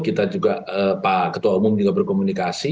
kita juga pak ketua umum juga berkomunikasi